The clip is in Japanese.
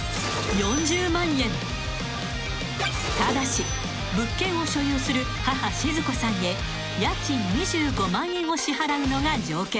［ただし物件を所有する母静子さんへ家賃２５万円を支払うのが条件］